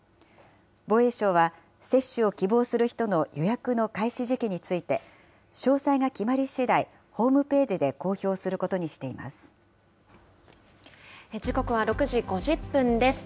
防衛省は、接種を希望する人の予約の開始時期について、詳細が決まりしだい、ホームページで公表することにしています。